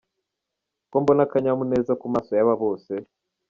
Ko mbona akanyamuneza ku maso yaba bose ?